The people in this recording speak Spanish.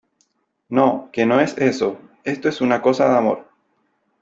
no , que no es eso . esto es una cosa de amor .